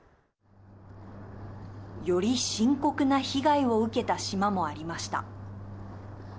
より深刻な被害を受けた島もありました。